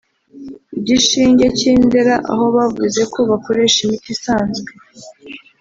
Igishinge cy’I Ndera”aho bavuze ko bakoresha imiti isanzwe